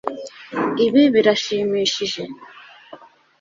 Ibi birashimishije